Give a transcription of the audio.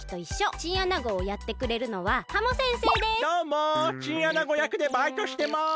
チンアナゴやくでバイトしてます。